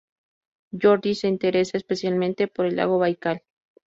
Georgi se interesa especialmente por el lago Baikal.